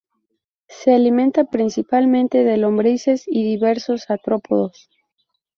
Se alimenta principalmente de lombrices y diversos artrópodos.